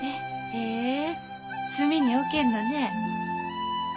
へえ隅に置けんのね。